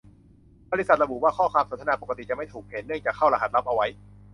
บริษัทระบุว่า ข้อความสนทนาปกติจะไม่ถูกเห็น เนื่องจากเข้ารหัสลับเอาไว้